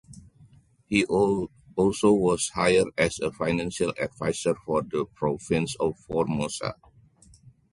He also was hired as a financial adviser for the province of Formosa.